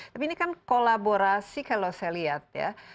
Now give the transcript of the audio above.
tapi ini kan kolaborasi kalau saya lihat ya